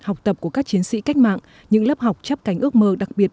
học tập của các chiến sĩ cách mạng những lớp học chấp cánh ước mơ đặc biệt